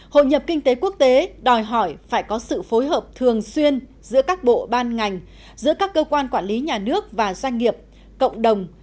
hội nhập kinh tế quốc tế đòi hỏi phải có sự phối hợp thường xuyên giữa các bộ ban ngành giữa các cơ quan quản lý nhà nước và doanh nghiệp cộng đồng